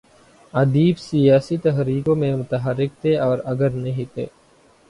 ادیب سیاسی تحریکوں میں متحرک تھے اور اگر نہیں تھے۔